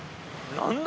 何だ？